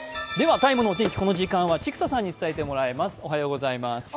「ＴＩＭＥ，」のお天気、この時間は千種さんに伝えてもらいます。